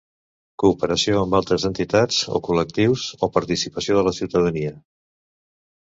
Cooperació amb altres entitats o col·lectius o participació de la ciutadania.